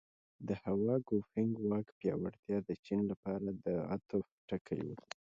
د هوا ګوفینګ واک پیاوړتیا د چین لپاره د عطف ټکی و.